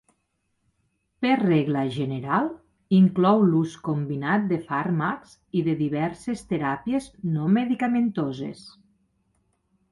Per regla general, inclou l'ús combinat de fàrmacs i de diverses teràpies no medicamentoses.